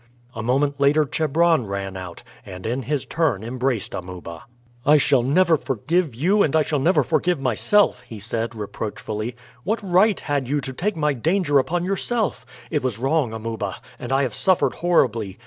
A moment later Chebron ran out, and in his turn embraced Amuba. "I shall never forgive you and I shall never forgive myself," he said reproachfully. "What right had you to take my danger upon yourself? It was wrong, Amuba; and I have suffered horribly.